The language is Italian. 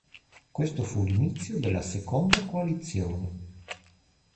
Questo fu l'inizio della Seconda coalizione.